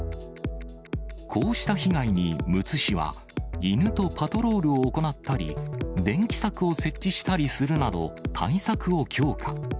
こうした被害にむつ市は、犬とパトロールを行ったり、電気柵を設置したりするなど、対策を強化。